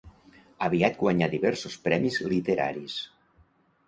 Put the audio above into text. Aviat guanyà diversos premis literaris.